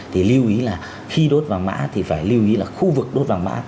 thì lưu ý là khi đốt vàng mã thì phải lưu ý là khu vực đốt vàng mã